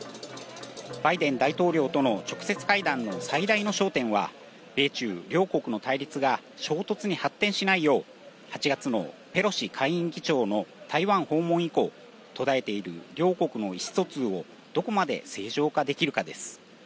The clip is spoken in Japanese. バイデン大統領との直接会談の最大の焦点は、米中両国の対立が衝突に発展しないよう、８月のペロシ下院議長の台湾訪問以降、途絶えている両国の意思疎通をどこまで正常化できるかです。